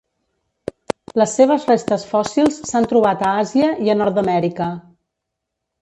Les seves restes fòssils s'han trobat a Àsia i a Nord-amèrica.